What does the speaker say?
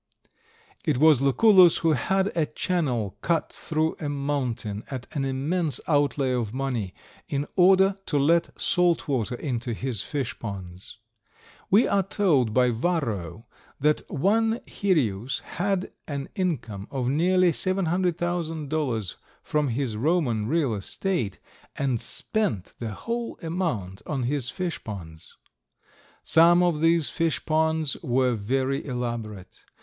It was Lucullus who had a channel cut through a mountain at an immense outlay of money, in order to let salt water into his fish ponds. We are told by Varro that one Hirrius had an income of nearly $700,000 from his Roman real estate, and spent the whole amount on his fish ponds. Some of these fish ponds were very elaborate.